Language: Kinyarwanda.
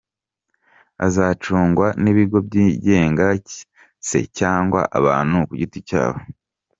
Azacungwa n’ibigo byigenga se cg abantu ku giti cyabo ?